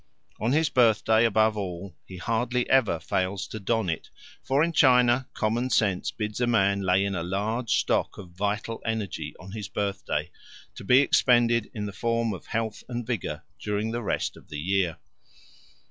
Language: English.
On his birthday, above all, he hardly ever fails to don it, for in China common sense bids a man lay in a large stock of vital energy on his birthday, to be expended in the form of health and vigour during the rest of the year.